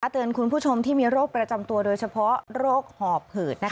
เตือนคุณผู้ชมที่มีโรคประจำตัวโดยเฉพาะโรคหอบหืด